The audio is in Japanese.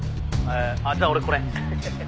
「じゃあ俺これ」